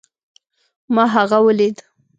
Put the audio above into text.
ما هغه وليد